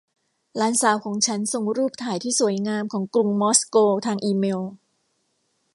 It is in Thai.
หลานสาวของฉันส่งรูปถ่ายที่สวยงามของกรุงมอสโกทางอีเมล